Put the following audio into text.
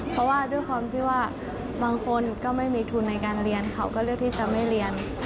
เพราะว่าด้วยความที่ว่าบางคนก็ไม่มีทุนในการเรียนเขาก็เลือกที่จะไม่เรียน